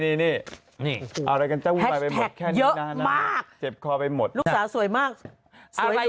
นี่นี่อะไรกันจ้ะแค่เยอะมากเจ็บคอไปหมดลูกสาวสวยมากสวยดู